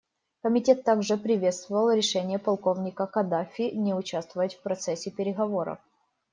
Комитет также приветствовал решение полковника Каддафи не участвовать в процессе переговоров.